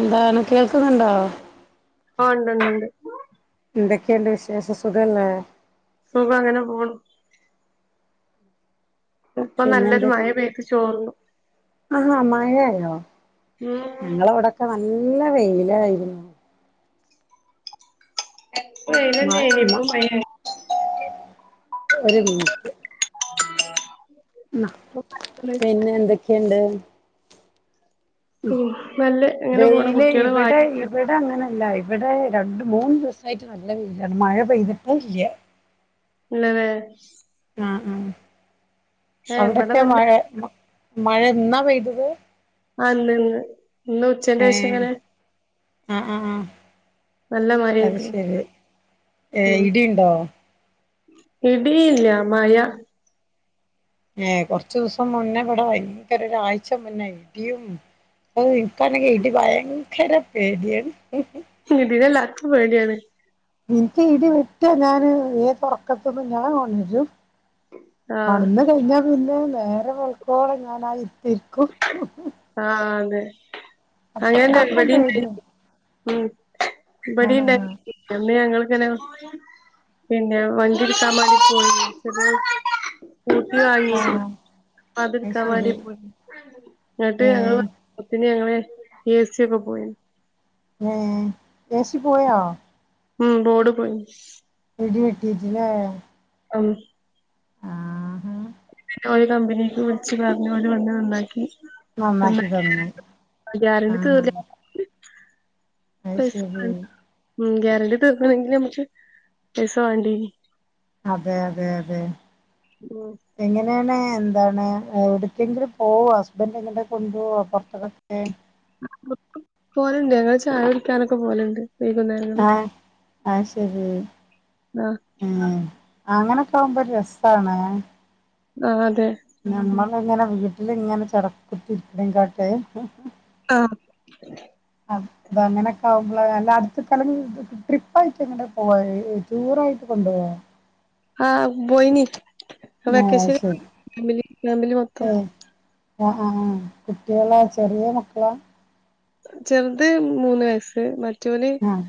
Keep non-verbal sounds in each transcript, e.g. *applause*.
എന്താണ് കേൾക്കുന്നുണ്ടോ ആ ണ്ട് ണ്ട് ണ്ട് എന്തൊക്കെണ്ട് വിശേഷം സുഖല്ലേ സുഖം അങ്ങനെപോണ് ഇപ്പൊ പിന്നെ നല്ലൊരു എന്തൊ മഴപെയ്ത് ചോർന്നു ആഹാ മഴയായോ ഉം ഞങ്ങളവിടൊക്കെ ന ല്ല വെയിലായിരുന്നു ഇപ്പൊ മ വെയിലെന്നെനി ഇപ്പൊ മ മഴ ആയി ഒരു മിനിറ്റ് ക്ക *unintelligible* പിന്നെ എന്തൊക്കെണ്ട് ഉം നല്ല ഇങ്ങനെ പോണ് വെയില് കുട്ടികള് ഇവിടെ, ഇവിടെ അങ്ങനെല്ലയി. ഇവിടെ രണ്ട് മൂന്ന് ദിവസായിട്ട് നല്ല വെയിലാണ് മഴ പെയ്തിട്ടേ ഇല്ല. *unintelligible* അ അ. ഏ ഇവിടെ അവിടൊക്കെ നല്ല മഴ മഴ ഇന്നാ പെയ്തത്. ആ. *unintelligible* ഇന്ന് ഉച്ചേന്റെ ശേഷങ്ങനെ. അഅ ആ അത് മഴയായിരുന്നു ശരി. ഏ ഉം ഇടിണ്ടോ? ഇടിയില്ല. മഴ ഏ കൊറച്ചു ദിവസം മുന്നേവിടാ ഭയങ്കരരൊഴ്ച മുന്നേ ഇടിം. ഏ, ഇനിക്കാനെ ഇടി ഭയങ്കര പേടി ഇടീനെ എല്ലാർക്കും പേടിയാണ്. എനിക്ക് ഇടി വെട്ട്യാ ഞാന് ഏതൊറക്കത്തിന്നും ഞാൻ ഉണരും. ആഹ് ഉണർന്നു കഴിഞ്ഞാ പിന്നെ നേരം വെളുക്കുവോളം ഞാനാ ഇരിപ്പിരിക്കും. ആ അതെ അങ്ങനാ അത്രക്കും ഇവിടേം *unintelligible* പേടിയാ മ്. ഇബടിം *inaudible* ആഹ് *unintelligible* പിന്നെ, വണ്ടിടുക്കാ വേണ്ടിട്ട് *unintelligible* സുകൂട്ടി വാങ്ങി. ആഹ് അത് അതെടുക്കാൻ ശരി വേണ്ടി പോയി. എന്നിട്ട് ഏഹ് ഞങ്ങള്തിന് ഞങ്ങളെ എ സി ഒക്കെ പോയി. ഏ, ഏസി പോയാ? ഉം ബോർഡ് പോയി. ടി വെട്ടീ റ്റ് ലെ ആഹ ഓല് കമ്പനിക്ക് വിളിച്ച് പറഞ്ഞ ഓരു വന്ന് നന്നാ ക്കി നന്നാക്കി തന്ന് ഗ്യാരണ്ടി ആഹ തീർന്നില്ല പൈസ അയ്ഷരി വേണ്ട ഉം ഗ്യാരണ്ടി തീർക്കണങ്കിൽ അമ്മക്ക് പൈസ വണ്ടേനി അതെ അതെ അതെ ഉം എങ്ങനേ ണ് ന്താണ് എവിടക്കെങ്കിലും പോവോ ഹസ്ബൻ് എങ്ങട്ടേങ്കിലും കൊണ്ടൊവോ പ്പുറത്ത്ക്കൊക്കെ പ്പൊ പ്പൊ പോല്ണ്ട് ഞങ്ങള് ചായടി ക്കാനൊക്കെ പോലുണ്ട്. ആഹ് ആഹ ശരി ആഹ് ആഹ. അങ്ങനൊകാവുമ്പോ ഒരസാണ്. ആഹഅതെ നമ്മളങ്ങനെ വീട്ടിലിങ്ങനെ ചടകുത്തിര്ക്ണ കാട്ടി ആഹ് അത ങ്ങനെക്കെ ആവും. ളെ ല്ലട്ത്കാണങ്കി ട്രിപ്പായിട്ട് ങ്ങട്ടേ പോവേ ടൂറായിട്ട് കൊണ്ടവേ. ആഹ പൊയ്നി അ ആഹ് അത് വക്കേശന ശരി മിൽ ഫാമിലി മൊത്തം. ആ ആ കുട്ടികളോ ചെറീയ മക്കളാ? ചെറ്ത് മൂന്ന് വയസ്സ് മറ്റോ ല് ആഹ്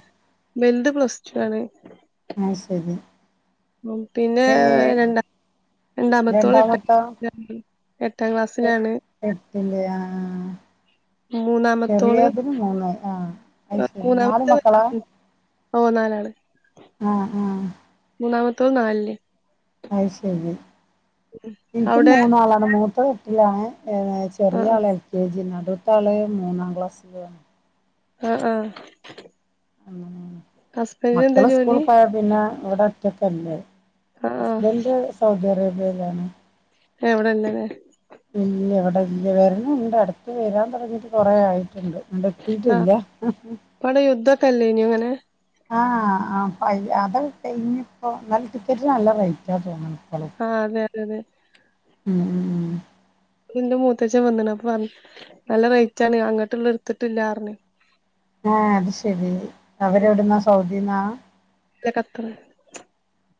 ബെന്തു പ്ലസ്റ്റു ആണ് ആഹ് ശരി മം പിന്നെ ഏഹ് രണ്ട രണ്ടാമത്തോള് *inaudible* എട്ടാം ക്ലാസ്സില് യ എട്ടില്ല ആ മൂന്നാമത്തോള ആഹ് അത് *unintelligible* ശരി നാല് മൂന്നാമത്തെ മക്കളാ ഓ നാലാള് ആഹ ആ.. മൂന്നാമത്തോ നാല്ല്. അയ് ശരി ൻക്ക് അവിടെ മൂന്നാളാണ് മൂത്തെ എട്ടിലാണ്. ഏ ആ ചെറിയാൾ എൽ കെ ജി നടുത്തള് മൂന്നാം ക്ലാസ്ലുവാ. ആഹ ആഹ. മക്കള് ജോലി സ്കൂൾകോയ പിന്നെ ഇവിട ഒറ്റക്കെല്ലേ. ആ ആ ഹസ്ബൻഡ് സൗദി അറേബ്യയിലാണ് എ വിടെ ല്ല ലെ ല്ല്യ വര്ണ് ണ്ട് അടത്ത് വരാൻ തുടങ്ങിട്ട് കൊറെ ആായിറ്റ്ണ്ട് ഇങ്ങട്ട് എത്തിട്ടില്ല. ക്കല്ലേയ്നോ ങ്ങനെ. ആഹ ആ ഫയ് അതയ് കഴിഞ്പ്പോ ന്നാൽ ടിക്കറ്റ്ന് നല്ല റേറ്റാ തോന്ന് ണ്. ആഹ അതെ അതെ അതെ ഉം ഉ ഉം ന്റെ മൂത്തച്ചവന്ന്ണ്. അപ്പപർ നല്ല റേറ്റണ് അങ്ങട്ട്ള് ഇട്ത്തിട്ടില്ലാർഞ്. ആഹ അത് ശരി അവരെവിടുന്നാ സൗദിന്നാ ല്ല ഖത്തർ.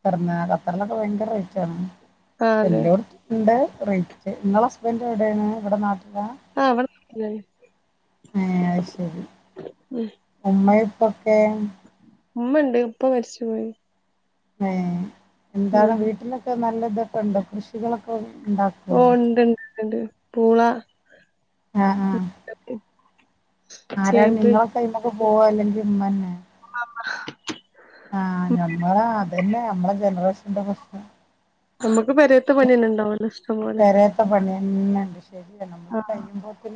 തൃല കത്തർലൊക്കെ ഭയങ്കര റേറ്റ്ണ്ട് ആ അതെ എല്ലോട് ത്ത് ണ്ട് റേറ്റ് ങ്ങള ഹസ്ബൻഡ് എവിടെയണ് ഇവിടെ നാട്ട താ ആ അവിടെ ഏ അഹ്ശരി ഉം ഉമ്മയും. ഓക്കെ മ്മണ്ട് ഇപ്പ മരിച്ചു പോയി. എ ന്താണ് ഉം വീട്ടിലൊക്കെ നല്ല ഇതൊക്കെണ്ടോ കൃഷികളൊക്കെ ഓ ഇണ്ടാക്കോ ഉണ്ട്ണ്ട്ണ്ട് പൂള ആഹ ആഹ. യോക്കെ. ആരാണ് നിങ്ങള കൈ്മക്ക് പോവാ അല്ലെങ്കി *unintelligible* ഉം ആ. ഞമ്മൾ, അതന്നെ നമ്മളെ ജനറേഷന്റെ പ്രശ്നം. നമ്മുക്ക് പെരേത്തെ പണി തന്നെ ഉണ്ടാവല്ലോ. ഇഷ്ടം പോലെ പേരെത്തെ പണിന്നെ. ആ *inaudible*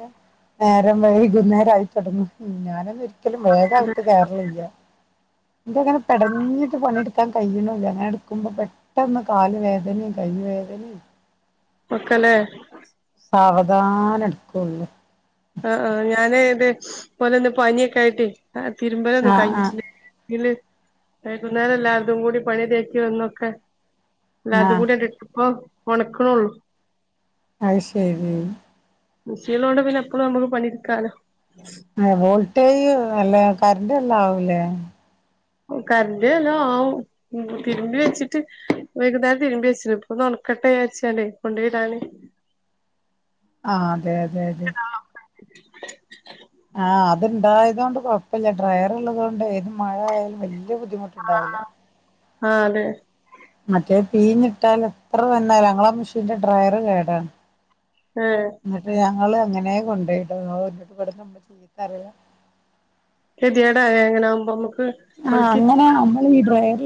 നേരം വൈകുന്നേരംമായിയി തുടങ്ങും. ഞാനൊന്നും ഒരിക്കലും *unintelligible* കയറിലില്ല. ഉം ഇബടെ പെടഞ്ഞിട്ട് പണിയെടുക്കാൻ കഴിയണില്ല. അങ്ങനെ എടുക്കുമ്പോ പെട്ടന്ന് കാല് വേദനയും കൈ വേ തന *unintelligible* സാവധാനം എടുക്കുള്ളു. ആ ആ. ഞാനേ ഇതേ പോലെന്നെ പനിയൊക്കെആയിട്ട് തിരുമ്പല ഒന്നും ആഹ് കഴിഞ്ഞി ആഹ് പിന്നെ വൈകുന്നേരം എല്ലാര്തും കൂടി പണി തേക്കി വന്നൊക്കെ എല്ലാര്തും ആഹ് കൂടി *unintelligible* ഉണക്കണള്ളു. അത് ശരി. *unintelligible* കൊണ്ട് പിന്നെ എപ്പളും നമുക്ക് പണിട്ക്കാലോ കരണ്ട് നല്ലോ ആവോലെ. കരണ്ട് നല്ലോ ആവും. തിരുമ്പി വെച്ചിട്ട്, വൈകുന്നേരം തിരുമ്പി വെച്ചു, ഇപ്പൊ ഒന്നു ഒക്കെ തേച്ചാൽ കൊണ്ടോയിടാൻ അ. അതെ അതെ അതെ. ഉം ആ. അത്ണ്ടായതൊണ്ട് കുഴപ്പല്ല. ഡ്രയർ ഉള്ളതുകൊണ്ട് *inaudible* ബുദ്ദിമുട്ടുണ്ടാവൂല ഉ മറ്റേ പീഞ്ഞുട്ടാൽ എത്ര *inaudible* ഞങ്ങളെ മെഷീന്റെ ഡ്രോയറ് കേടാണ്. ഏഹ് എന്നട്ട് ഞങ്ങള്. അങ്ങനെ കൊണ്ടോയിടും. കെതേടലെ അങ്ങനെ ആവുമ്പോ. ആഹ അങ്ങനെ അമ്മളീ ഡ്രോയർ.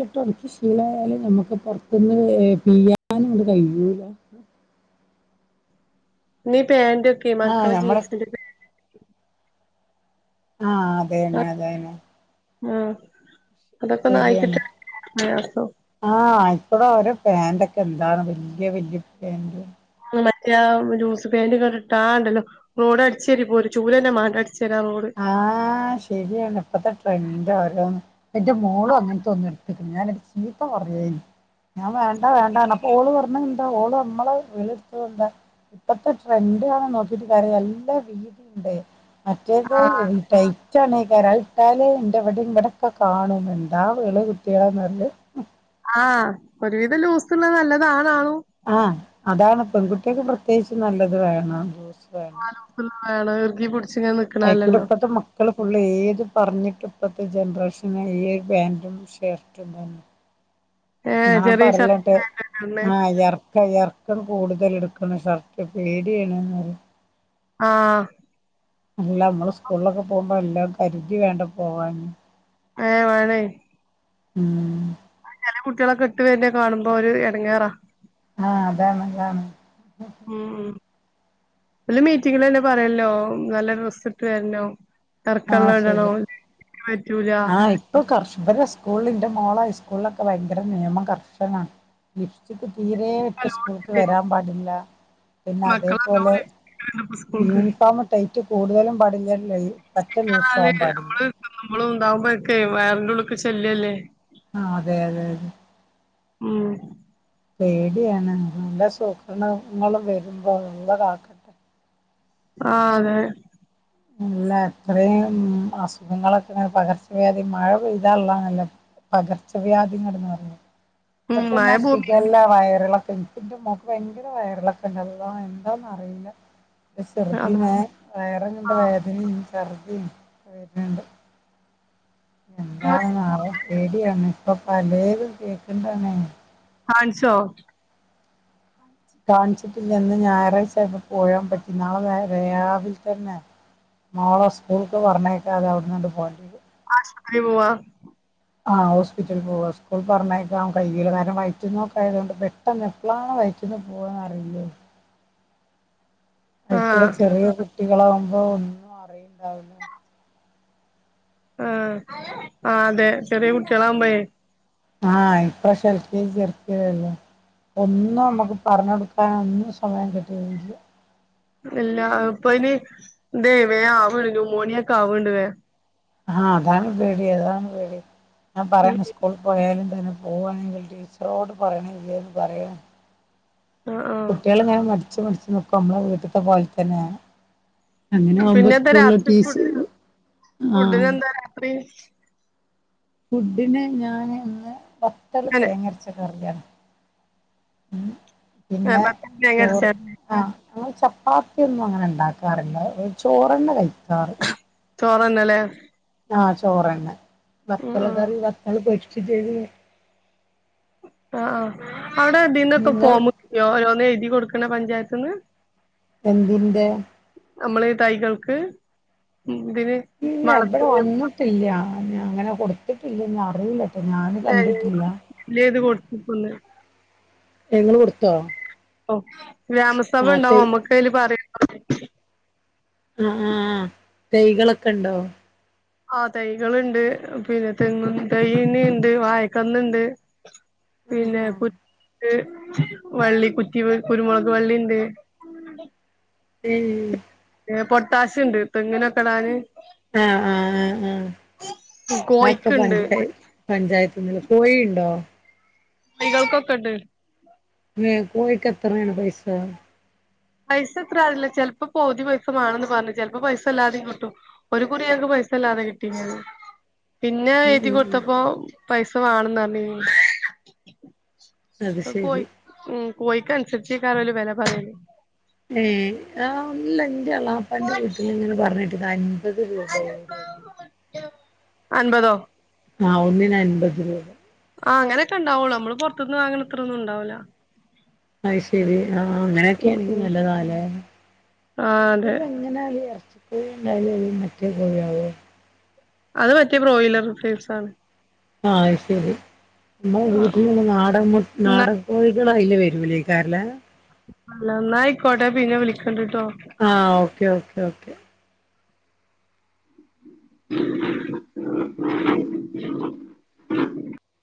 ശീലായാലും നമ്മുക്ക് പൊറത്തുന്ന് പീയാൻ ഇങ്ങട്ട് കഴിയൂല. നീ പാൻറ് ഒക്കെ ആ മക്കളെ ഞമ്മള് ജീൻസിന്റെ ആഹ് അതെ തന്നെ അതെ തന്നെ ആഹ് അതൊക്കെ ഒന്ന് ആയി ശരിയാണ് കിട്ടാൻ പ്രയാസം ആഹ് ആ ഇപ്പള് അവരെ പാന്റ ഒക്കെ എന്താണ് വല്യ വലു പാന്റ് മറ്റേ ജൂസ് പെയിന്റ് ഇട്ടിട്ടാണ്ടല്ലോ റോട് അടിച്ചേരി പോയി ഒരു ചൂല തന്നെ മാണ്ട അടി ആഹ് ശരിയാണ് ഇപ്പത്തെ ട്രെൻഡ ഓരോ എന്റെ മോളും അങ്ങനെ തൊന്ന് എട *unintelligible* ഞാന്ചീത്ത പറഞ്ഞ ഞാൻ വേണ്ട വേണ്ടാന്ന് പറഞപ്പോ ഓള് പറഞ് ഓള് നമ്മളെ വെള് എടുത്തത് കൊണ്ടാ ഇപ്പഴത്തെ ട്രെൻഡ് ആണ് നോക്കിട്ട് കര്യല്ല നല്ല വീതി ണ്ട് മറ്റേത് ആഹ് ടെ ടൈറ്റാനിക്കരം അത് ഇട്ടാല് ഇന്റെ ഇവിടെ ഇവിടെൊക്കെ കാണും എന്താ വെള് കുട്ടികളെ എന്നറിയേ ആഹ് ഒരുവിധം ലൂസ് ഉള്ളത് നല്ലതാണാണും ആ അതാണ് പെൺകുട്ടിയക്ക് പ്രത്യേകിച്ച് നല്ലത് വേണം ലൂസ് ആ സോപ് ഇല്ല ആള് ഇറികി പിടിച്ച് അയിക്കുടി ഇപ്പഴത്തെ മക്കള് ഫുള്ളള് ഏത് പറഞ്ഞിട്ട് ഇപ്പത്ത് ജനറേഷനാല്ലെ ഈ ഒരു പാന്റും ഷർ്ടും തന്നു ഏഹ് ഞാൻ ചെറിയ ഷർട്ടും പറല്ട്ട് പാന്റും ഒക്കെ ഇടണേ ആ ഇർക്ക ഇർ ഇറക്കം കൂടുതല് എടുക്കണം സഷർട്ട് പേടിയാണ് ന്ന് പറയും ആഹ് അല്ല നമ്മള് സ്കൂളിലൊക്കെ പോകുമ്പോ എല്ലാം കരുതി വേണ്ടെ പോവാന് ഏഹ് വേണം ഉം ചില കുട്ടികളൊക്കെ ഇട്ട് വര്നയ് കാണുമ്പോൾ ഒരു ഇടങ്ങേറാ ആ അതാണ് അതാണ്. ഉം ഉം ഓല മീറ്റിങ്ങിലന്നെ പറയല്ലോ നല്ല ഡ്രസ്സ് ഇട്ട് വരന്നം ഇറക്കള്ളം ആഹ് ഇടണം ശരി പറ്റൂല ആഹ് ഇപ്പൊ കർഷകരെ സ്കൂളിന്റെ മോള ഹൈസ്കൂളി ഒക്കെ ഭയങ്കര നിയമം കർശനാണ് ലിപ്സ്റ്റിക് തീരെ ഇട്ട് സ്കൂൾക്ക് നല്ലോണംണ്ട് വരാൻ പാടില്ല പിന്നെ മക്കള് അതേപോലെ നല്ലോണം ഇരിക്ക്ണ്ട് ഇപ്പൊ സ്കൂൾക്ക് യൂണിഫോമ് ടൈറ്റ് കൂടുതലും പാടില്ല *unintelligible* പറ്റെ ലൂസും പറഞ്ഞാല് ആവാൻ പാടില്ല നമ്മള് ഇണ്ടാവുമ്പോക്കെ വയ്റിന്റെ ഉള്ള്ക്ക് ശല്യല്ലേ ആ അതെ അതെ അതെ ഉം പേടിയാണ് നല്ല സൂക്രണങ്ങള് വരുമ്പോ അള്ളാ കാക്കട്ടെ ആ അതെ ഇല്ല ഇത്രീം അസുഖങ്ങളൊക്കെങ്ങനെ പകർച്ചവ്യാധി മഴ പെയ്താള്ളെണല്ലോ പകർച്ചവ്യാധി *unintelligible* ഉം മഴ ഇപ്പത്തന്നെ ഭൂമി ഷിഖല്ല വയറിള എനിക്ക് എന്റെ മ്മാക്ക് ഭയങ്കര വയറിളക്കണ്ട് അള്ളാ എന്താന്ന് അറിയില്ല അതാ ദിനെ വയറെ കണ്ട് വേദനയും വെര്ണ്ട് എന്താണാവോ പേടിയാണ് ഇപ്പൊ പലേതും കേക്ക്ണ്ടാണെയ്‌ ന്ച്ചോ കാണിച്ചിട്ടില്ലന്ന് ഞായറായിച്ചേണ് പോയാൻ പറ്റി നാളെ വേറെ രാവില് തന്നെ നാളെ സ്കൂൾക്ക് പറഞ്ഞേക്കാതെ അവിട്ന്നണ്ട് പോയ *unintelligible* ആഹ് ഹോസ്പിറ്റലിൽ പോവാ സ്കൂൾക്ക് പറഞയക്കാൻ കയ്യൂല കാരണം വായറ്റിന്നോക്ക ആയത് കൊണ്ട് പെട്ടെന്ന് എപ്പോളാണ് വയ റ്റ്ന്ന് പോവാന്ന്റിയില്ലേ അയിക്കുടെ ആഹ് ചെറിയ കുട്ടികളാവുമ്പോ ഒന്നും അറിയണ്ടാവില്ല ആഹ ആ അതെ ചെറ്യേകുട്ടേളാവുമ്പേ ആഹ ഇപ്പോ *unintelligible* ഒന്നും മ്മക്ക് പറഞ്ഞൊടുക്കാൻ ഒന്നും സമയം കിട്ടി *unintelligible* ഇല്ല ഇപ്പ ഇനി *unintelligible* വേ ആവണ്ട് ന്യൂമോണിയ ഒക്കെ ആവണ്ട് ലേ. ആഹ അതാണ് പേടി അതാണ് പേടി ഞാൻ ഉം പറയണ സ്കൂള് പോയാലും. *unintelligible* പോവാണെങ്കിൽ ടീച്ചറോട് പറയണം. *unintelligible* ആഹ് ആഹ് കുട്ടികള ഇങ്ങനെ മടിച്ചു മടിച്ച് നിക്കും നമ്മളെ വീട്ടൽത്തെ പോലെതന്നെ. അങ്ങനെ ആകുമ്പോ പിന്നെന്താ രാത്രി ഫു സ്കൂളില് *unintelligible* ആഹ. ഫുഡിനെന്താ രാത്രി ഫുഡിന് ഞാൻ ഇന്ന് വത്തൾ ഞാന് തേങ്ങ *unintelligible* ഉം പിന്നെ ബത്തല് ചോറ് തേങ്ങരച്ച ആ. അ ചപ്പാത്തിഒന്നും അങ്ങനെ ണ്ടാക്കാറില്ല *unintelligible* ചോറെന്നെ കഴിക്കാറ്. *unintelligible* ആഹ ചോറ്ന്നെ ഉം വത്തൽ ഉം കറി വത്തൽ പൊരിച്ചും ചെയ്ത് *unintelligible* ആ ആ അവിടെ *unintelligible* നിങ്ങൾ ഫോമ് കിട്ടിയോ *unintelligible* *unintelligible* പഞ്ചായത്ത്ന്ന് എന്തിന്റെ നമ്മളെ തൈകൾക്ക്. ഇതിന് ഇല്ല ഇവിടെ വളത്തിന് വന്നിട്ടില്ല അങ്ങനെ കൊടുത്തിട്ടില്ല ഇനി അറില്ല. ഞാന് കണ്ടിട്ടില്ല. ഫില്ലെയ്ത് കൊടുത്ത്ക്ക്ന്ന് എ ങ്ങള് കൊടുത്തോ ഓ ഗ്രാമസഭ ആ തൈ ണ്ടാവോ മ്മക്കയില് പറയാ. ആ ആഹ് തൈകളൊക്കെ ണ്ടോ ആ തൈകളുണ്ട് പിന്നെ തെങ്ങ് തൈയുണ്ട് വായക്കന്നിണ്ട്. പിന്നെ ആ *unintelligible* വള്ളി കുറ്റി കുരുമുളക് വള്ളിണ്ട്. ഉം പൊട്ടാസ്യണ്ട് തെങ്ങിനൊക്കെ ഇടാന്. *inaudible* കോഴിക്ക്ണ്ട് പഞ്ചായത്തിന്ന് കോഴിണ്ടോ തൈകൾക്കൊക്കെ ഉണ്ട്. *unintelligible* കോഴിക്കെത്രേണ് പൈസാ പൈസ എത്ര അറില്ല ചിലപ്പോ പൊതി പൈസമാണന്ന് പറഞ്ഞു. ചെലപ്പോ പൈസ അല്ലാതെയും കിട്ടും ഒരു കുറി *unintelligible* *unintelligible* കിട്ടിക്ണ് പിന്നെ ഉം എഴുതി ഉം ഉം കൊടുത്തപ്പോ പൈസ വേണംന്ന് പറഞ്ഞ്. അത് കോഴി ശരി ഉം കോഴിക്ക് അനുസരിച്ച് ആയിക്കാരം ഓര് വെല പറയല്. ഏ ആ അല്ല ഇന്റെ എളാപ്പാന്റെ വീട്ടിൽ ഇങ്ങനെ പറഞ്ഞ് *unintelligible* *unintelligible* *inaudible* അൻപതോ ആ ഒന്നിന് അൻപത് രൂപ. ആഹ അങ്ങനൊക്കെ ഉണ്ടാവുള്ളൂ നമ്മള് പുറത്തനിന്ന് വാങ്ങണത്ര ഒന്നും ഉണ്ടാവൂല. അയ്‌ശെരി ഉം അങ്ങനൊക്കെണെങ്കി ഉം നല്ലതാ ലേ. ആ അതെ *unintelligible* അത് പറ്റിയ ബ്രോയിലർ *unintelligible* ആണ്. ആഹ അയ്‌ശെരി മ്മൾ ആ ഉം വീട്ടിൽ നാടൻ *unintelligible* ന്നാ നാടൻകോഴി. *unintelligible* *unintelligible* ന്നാ അയ്ക്കോട്ട പിന്നെ. *unintelligible* ആഹ ഓക്കെ ഓക്കെ ഓക്കേ. *inaudible*